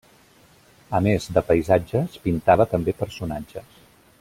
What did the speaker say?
A més de paisatges pintava també personatges.